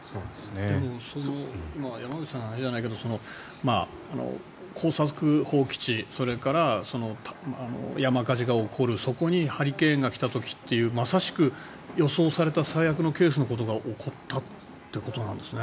でも今の山口さんの話じゃないけど耕作放棄地それから山火事が起こるそこにハリケーンが来た時というまさしく予想された最悪のケースのことが起こったってことなんですね。